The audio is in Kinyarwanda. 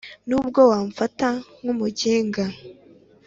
Nubwo wamfata nkumuginga